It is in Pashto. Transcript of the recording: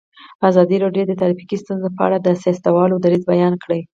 ازادي راډیو د ټرافیکي ستونزې په اړه د سیاستوالو دریځ بیان کړی.